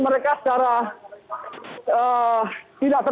jadi aparat keamanan mencoba membukul mundur